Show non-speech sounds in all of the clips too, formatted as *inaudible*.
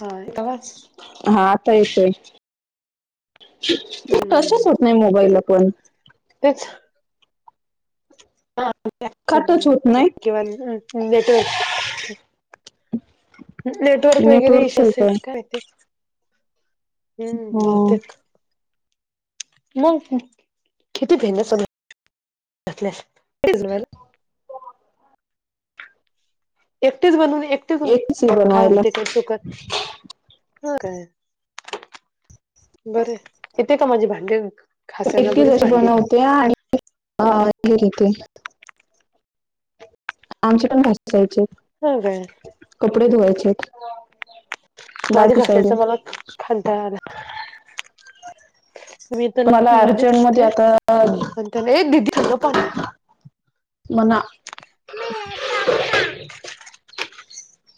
हा येतो आवाज? हा आता येतोय टच होत नाही मोबाईलला पण, टच? का टच होत नाही *inaudible* नेटवर्क नेटवर्क वगैरे नेटवर्कच इशू आहे असेल काय ते. हम्म हं. बहुतेक. मग किती भेण्या *inaudible* एकटेच बनवून एकटेच उ एकटीच आहे बनवायला खायलती काय सुखात. मग काय? बरं ए. येथे का माझे भांडे एकटीच अशी बनवते आणि अ् घेते ती. आमच्या पण भा जायचे. हो काय? कपडे धुवायचे हेत. भांडी घासायचं मलाअ कंटाळा आला. मी तर पण मला नादीच अर्जंट मध्ये असते, आता पन त्याने ए दीदी थंड पाणी मना.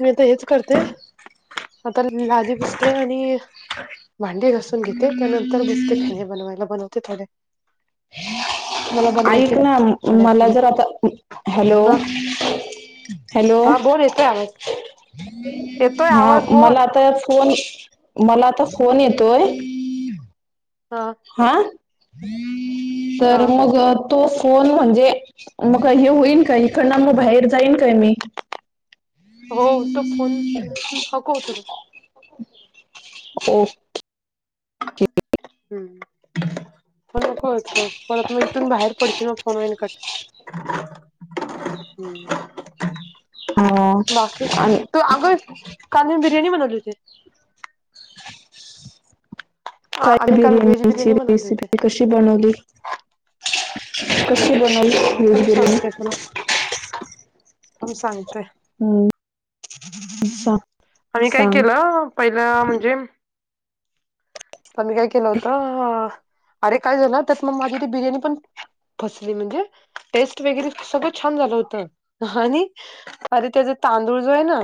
मी आता हेच करते. आता लाली पुसते आणि भांडे घासून घेते त्यानंतर बसते फेने बनवायला बनवते थोडे. मला बनवायचे ऐक ना थोड्या मला फेण्या जर आता हॅलो. ह हॅलो. हा बोल येतोय आवाज येतोय हा आवाज बोल मला आता फोन. मला आता फोन येतोय हाआ हा? हा हा तर मग तो फोन म्हणजे, मग का हे होईल का? इकडन म बाहेर जाईन काय मी? हो. तो फोन नको उचलू. हो. हम् प नको उचलु. परत मग इथून बाहेर पडशीन फोन होईन कट. हम्म. हा बाकी? आणि तू अगं, काल मी बिर्याणी बनवली होती. काय आम्ही काल व्हेज बिर्याणीची बिर्याणी बनवली रेसिपी कशी. ती बनवली. कशी बनवली होती थांब व्हेज बिर्याणी? सांगते तुला थांब सांगते. हम्म, सांग आणि काय सांग केलं, पहिलं म्हणजे तर मी काय केलं होतं, अरे काय झालं त्यात मग माझी ती बिर्याणी पण फसली म्हणजे, टेस्ट वगैरे सगळं छान झालं होत ह आणि अरे त्याचा तांदूळ जो आहे ना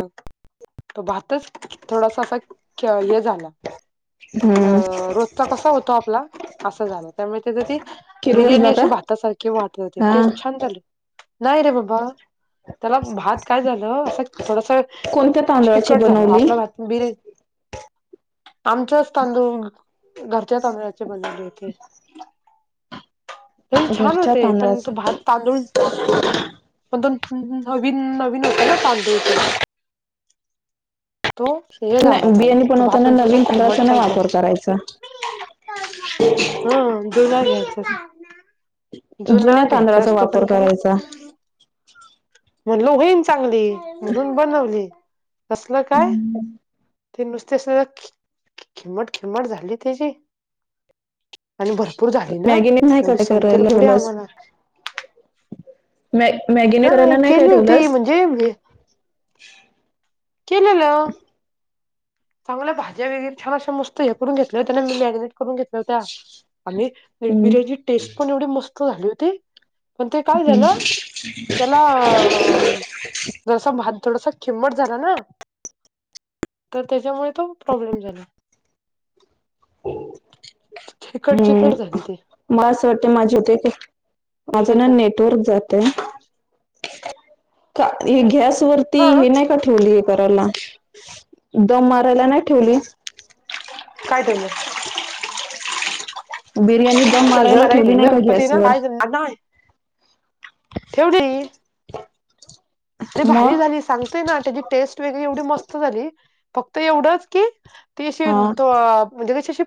तो भातच, थोडासा फक, हे झाला. *unintelligible* अ हम्म, रोजचा कसा होतो आपला असा झाला. त्यामुळे त्याच ते, बिर्याणी किरवसला का अशी भातासारखी कि वात होते. हा टेस्ट छान झाली. नाही रे बाबा त्याला भात काय झालं, असं थोडस, कोणत्या तांदळाची चिकट झाला. बनवली आपल्या भात बिरीअ. आमच्याच तांदूळ, घरच्या तांदुळा चे बनुले इथे. हे छान घरच्या होते. पण तो तांदळाची भात, तांदूळ पण तो नवीन नवीन होता ना तांदूळ तो. तो हे झाला नाही त्याला. बिर्याणी तो बनवताना भातंन तसा नवीन तांदळाचा चिमट नाही टाईप झाला. वापर करायचा हम्म, दुला घ्यायचं. जुन्या तांदळाचा वापर पण काय करायचा. म्हणल होईन चांगली, म्हणून बनवली. कसलं काय. ते नुसते सगळं खिंमट खिंमट झाली त्याची. आणि भरप भरपूर झाली ना. मॅगीने नाही का एवढी काय संपते का करायला थोडी ठेवलंस आम्हाला. मॅ मॅगीने करायला नाही काय केली होती ठेवलंस? म्हणजे केलेलं. चांगल्या भाज्या वगैरे छान अशा मस्त हे करून घेतल्या हो त्याने मी मॅरिनेट करून घेतल्या होत्या,, आणि हम्म, बिर्याणीची टेस्ट पण एवढी मस्त झाली होती,, पण ते काय हम्म, झालं, त्यात आपला,, जसं भात थोडसां खिंमट झाला ना. तर त्याच्यामुळे तो प्रॉब्लेम झाला. चिकट हम्म, चिकट झाली ते मला असं वाटतं माझी डेट आहे. चछ *unintelligible* परत जातय,, कात्री गॅसवरती हा हे नाही का ठेव ठेवलीय करायला,, दम मारायला नाही ठेवली. ् काय केल. *inaudible* बिर्याणी दम मारायला घर आहे ठेवली नाही का गणपती गॅसवर काय आडणावयचणं ठेवली,, अरे भारी मग झाली सांग ना त्याची टेस्ट वेगळी एवढी मस्त झाली फक्त एवढच कधीचं ू्संणं ती अशी हा त म्हणजे कशी अशी,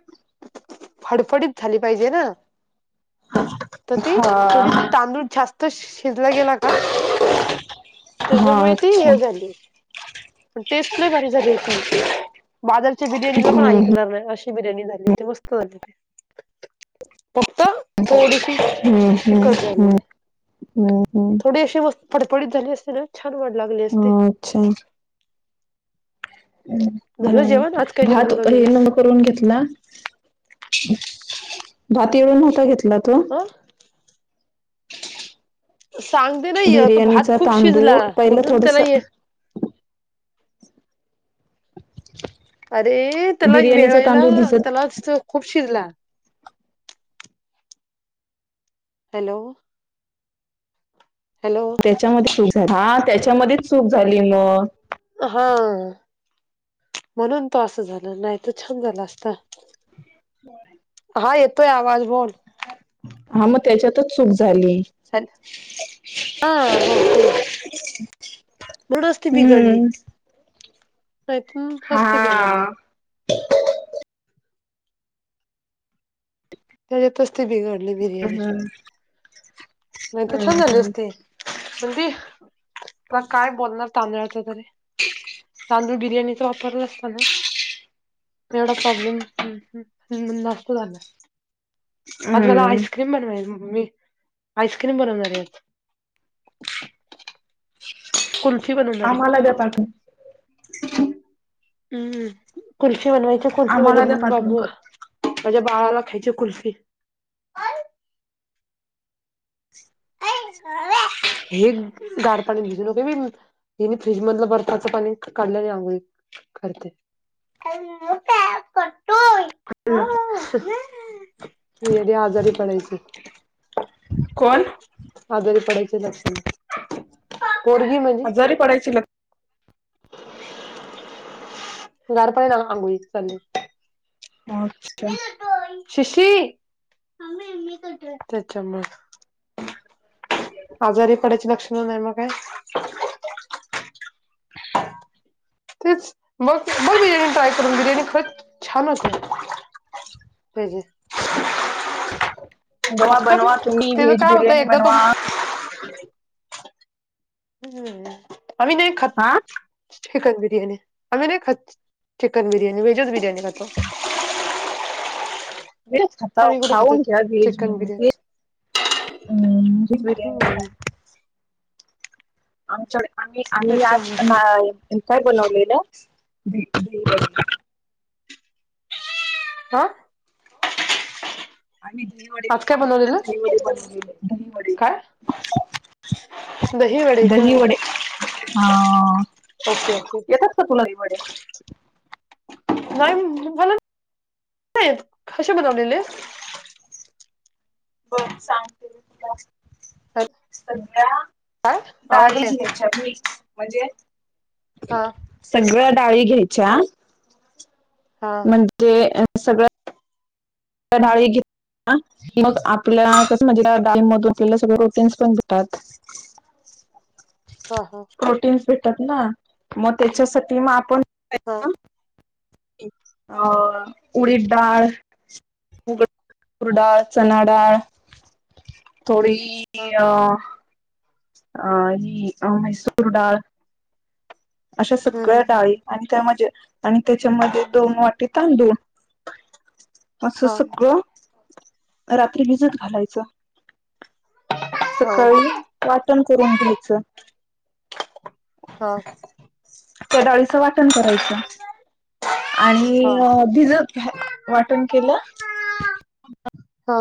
फडफडीत झाली पाहिजे ना. तर ती थोडी हा तांदूळ जास्त शिजला गेला का हा त्याच्यामुळं ती अच्छा हे झाली. पण टेस्ट लई भारी झाली होती,,, बादलच्या बिर्याणीला पण हम्म ऐकणार नाही, अशी. बिर्याणी झाली होती, मस्त झाली ते. फक्त थोडीशी हम्म हम्म चिकट हम्म झालेली, हम्म थोडी अशी मस्त फडफडीत झाली असती ना छान वड लागली असते अं अच्छा. झालं हम्म, जेवण आज काय जेवण भात हे बनवलेलंस न करून घेतला भात येळून नव्हता घेतला तो. अं सांगते ना य तो भात बिर्याणीचा खूप शिजला, तांदूळ पहिला म्हणून त्याला थोडस ये *inaudible* अरे त्याला बिर्याणीचा वेळायला तांदूळ भिजत त्यालाच खूप शिजला. हॅलो. हॅलो. त्याच्यामध्ये चूक झाली,, हा त्याच्यामध्येच चूक झाली मग. हां. म्हणून तो असं झालं नाही तर छान झाला असता. हा येतोय आवाज बोल. हा मग त्याच्यातच चूक झाली. हॅलो,, हा बहुतेक. म्हणूनच ती बिघडली, नाहीतर नसती बिघडली. त्याच्यातच ती बिघाडली बिर्याणी. नाही तर छान झाली असती,, पण ती, काय बोलणार तांदळाच्या तरी तांदूळ बिर्याणीचा वापरला असता ना एवढ प्रॉब्लेम नसता झाला. आज मला हम्म आईस्क्रीम बनवायच मी. आईस्क्रीम बनवणार आहे आज. कुल्फी बनवणार आहे आम्हाला द्या पाठवून. हम्म खुर्ची बनवायचे खुर्ची आम मध्ये बाबू माझ्या भावाला खायची आहे कुल्फी. हे गार पाण्यात भिजु नको हे फ्रीज मधलं बर्फाच पाणी काढल्याने आंघोळी करते. करतोय. वेडी आजारी पडायची. कोण? आजारी पडायचे लक्षण पोरगी म्हणते. आजारी पडायची लक्षण गार पाण्यानी आंघोळीच चाललय. *unintelligible* शशी. म्मम्मे मी करतो *unintelligible* आजारी पडायची लक्षणं नाही, मग काय? तेच मग मग बिर्याणी ट्राय करून, बिर्याणी खरच छान होते. कधी? *unintelligible* बनवा, फक्त बनवा तुम्ही त्याच व्हेज काय होतं बिर्याणी एकदा तो बनवा. ह. आम्ही नाही खात. हा. चिकन बिर्याणी, आम्ही नाही खात. चिकन बिर्यानी, व्हेजच बिर्यानी खातो. व्हेज खाता, आम्ही कुठे खातो खाऊन घ्या व्हेज चिकन बिर्याणी हम्म बिर्याणी आमच्याकडं आम्ही, आम्ही आज त्याच्यामुळे काय बनवलेल? हा. आम्ही दहीवडे, आज काय आमच्याकडं बनवलेलंस दहीवडे दहीवडे काय? दही वडे काय? दहीवडे. हा. ओके ओके येतात का तुला दहिवडे? नाही, मला नाही येत कसे बनवलेले? बघ सांगते सगळ्या काय आवाज डाळी नाही येत घे. सबमीक्स म्हणजे हा सगळ्या डाळी घ्यायच्या हा. म्हणजे सगळ डाळी घेऊन ना, मग आपल्या कसं म्हणजे डाळी मधून आपल्याला सगळे प्रोटीन्स पण भेटतात. हा.. हा. प्रोटीन्स भेटतात ना, मग त्याच्यासाठी मग आपण हा. अ, उडीद डाळ तुर डाळ, चणा डाळ थोडी हा *unintelligible* अ ही अ म्हसूर डाळ, अशा हम्म सगळ्या हम्म डाळी. आणि त्यामजे आणि त्यांच्या मध्ये दोन वाटी तांदूळ. असं हा सगळं, रात्री भिजत घालायचं. हा सकाळी वाटण करून घ्यायचं. हा. त्या डाळीचं वाटण करायचं, आणि हा भिजत घा वाटण केलं. हा